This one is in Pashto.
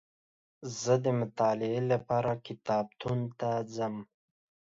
زه دمطالعې لپاره کتابتون ته ځم